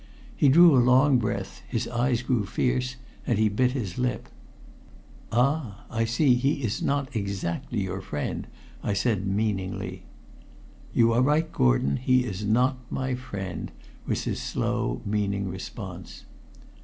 He drew a long breath, his eyes grew fierce, and he bit his lip. "Ah! I see he is not exactly your friend," I said meaningly. "You are right, Gordon he is not my friend," was his slow, meaning response.